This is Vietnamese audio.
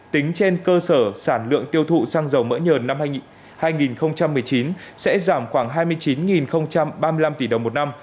tính trên cơ sở sản lượng tiêu thụ xăng dầu mỡ nhờn năm hai nghìn một mươi chín sẽ giảm khoảng hai mươi chín ba mươi năm tỷ đồng một năm